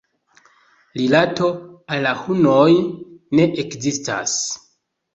Rilato al la hunoj ne ekzistas.